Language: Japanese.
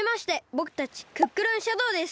ぼくたちクックルンシャドーです。